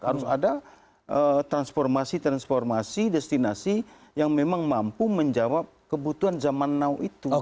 harus ada transformasi transformasi destinasi yang memang mampu menjawab kebutuhan zaman now itu